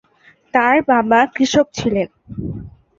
তাঁর বাবা কৃষক ছিলেন।